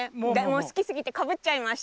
すきすぎてかぶっちゃいました。